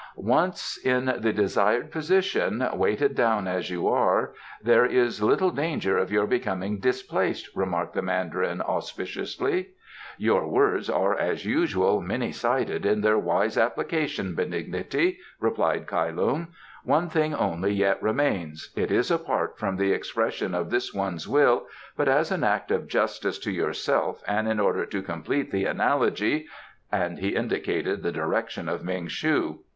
"Once in the desired position, weighted down as you are, there is little danger of your becoming displaced," remarked the Mandarin auspiciously. "Your words are, as usual, many sided in their wise application, benignity," replied Kai Lung. "One thing only yet remains. It is apart from the expression of this one's will, but as an act of justice to yourself and in order to complete the analogy " And he indicated the direction of Ming shu.